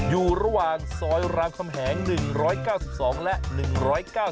อยู่ระหว่างซอยรามคำแหง๑๙๒และ๑๐๙